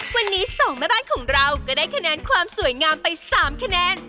วันนี้๒แม่บ้านของเราก็ได้คะแนนความสวยงามไป๓คะแนน